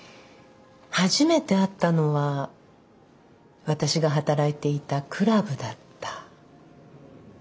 初めて会ったのは私が働いていたクラブだった。